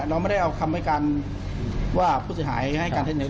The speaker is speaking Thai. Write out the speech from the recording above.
เราไม่ได้เอาคำให้การว่าผู้เสียหายให้การเท็